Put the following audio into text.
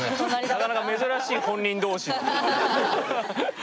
なかなか珍しい本人同士っていう。